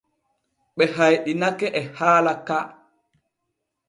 Ɓe hayɗinake e haala ka.